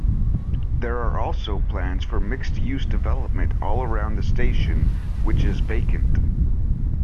There are also plans for mixed-use development all around the station which is vacant.